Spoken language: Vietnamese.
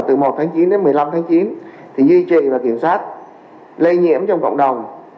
từ một tháng chín đến một mươi năm tháng chín thì duy trì và kiểm soát lây nhiễm trong cộng đồng